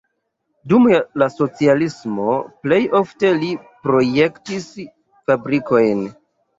Dum la socialismo plej ofte li projektis fabrikojn.